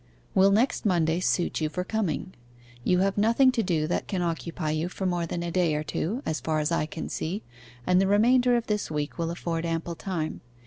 'Will next Monday suit you for coming? You have nothing to do that can occupy you for more than a day or two, as far as I can see, and the remainder of this week will afford ample time.